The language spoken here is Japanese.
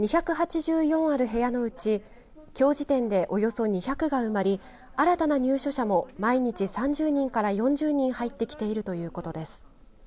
ある部屋のうちきょう時点でおよそ２００が埋まり新たな入所者も毎日３０人から４０人入ってきているということです。